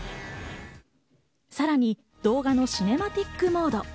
さらに動画のシネマティックモード。